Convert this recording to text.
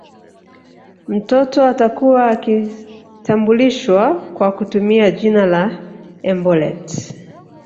Mtoto atakuwa akitambulishwa kwa kutumia jina la embolet